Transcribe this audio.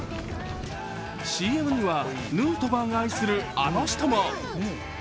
ＣＭには、ヌートバーが愛するあの人も。